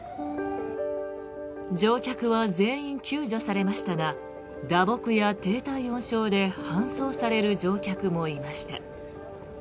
乗客は全員救助されましたが打撲や低体温症で搬送される乗客もいました。